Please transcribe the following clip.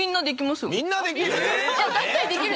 みんなできる！？